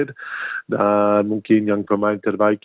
dan mungkin yang pemain terbaik